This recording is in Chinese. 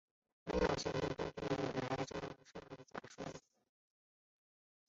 没有详尽的证据来证明上述假说。